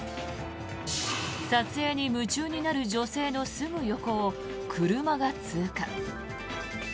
撮影に夢中になる女性のすぐ横を車が通過。